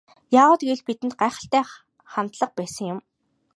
Яагаад гэвэл бидэнд гайхалтай хандлага байсан юм.